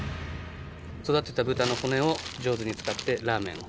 育てた豚の骨を上手に使ってラーメンを。